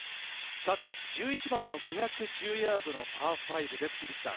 さて１１番の５１０ヤードのパー５です。